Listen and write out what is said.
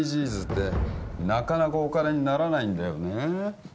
ＳＤＧｓってなかなかお金にならないんだよね